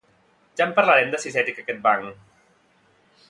Ja en parlarem de si és ètic aquest banc